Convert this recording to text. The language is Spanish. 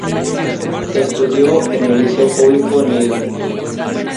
Estudió en el liceo público Nro.